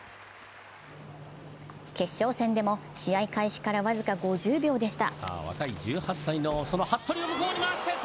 決勝戦でも試合開始から僅か５０秒でした。